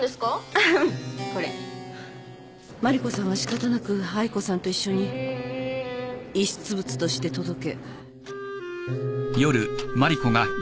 ああうん。これ麻里子さんは仕方なく藍子さんと一緒に遺失物として届け。